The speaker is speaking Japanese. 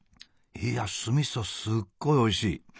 いやあ酢みそすっごいおいしい。